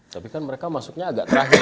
tapi kan mereka masuknya agak terakhir